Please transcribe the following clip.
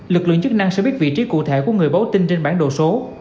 lực lượng chức năng sẽ biết vị trí cụ thể của người báo tin trên bản đồ số